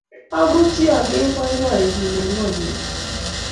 AmuchI aner boiboiyenyu eng konyekuk